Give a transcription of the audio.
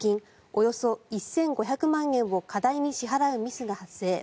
およそ１５００万円を過大に支払うミスが発生。